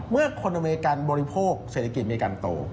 เมื่อคนอเมริกันบริโภคเศรษฐกิจอเมริกันโต